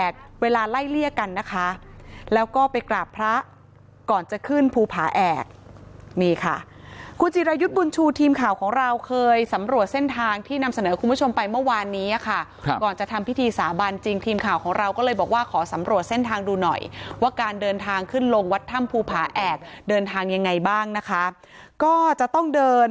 ค่ะก่อนจะทำพิธีสาบานจริงทีมข่าวของเราก็เลยบอกว่าขอสำรวจเส้นทางดูหน่อยว่าการเดินทางขึ้นลงวัดถ้ำภูผาแอกเดินทางยังไงบ้างนะคะก็จะต้องเดิน